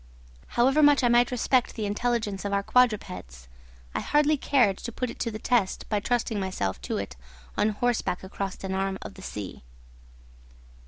However much I might respect the intelligence of our quadrupeds, I hardly cared to put it to the test by trusting myself to it on horseback across an arm of the sea.